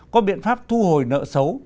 có biện pháp thu hồi nợ xấu